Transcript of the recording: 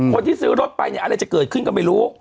คนที่ซื้อรถไปเนี่ยอะไรจะเกิดขึ้นก็ไม่รู้